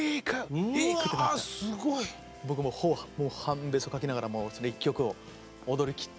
僕もう半ベソかきながらその１曲を踊りきって。